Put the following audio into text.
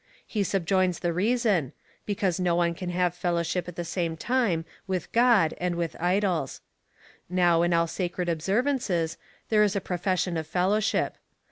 He subjoins the reason — because no one can have fellowship at the same time with God and with idols. Now, in all sacred observances, there is a profession of fellowship.